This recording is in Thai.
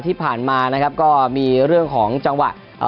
ที่ผ่านมาก็มีเรื่องของจังหวะ